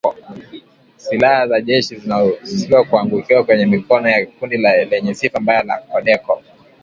Silaha za jeshi zinashukiwa kuangukia kwenye mikono ya kundi lenye sifa mbaya la CODECO